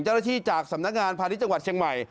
เจ้าหน้าที่จากสำนักงานพาณิชย์จังหวัดเชียงใหม่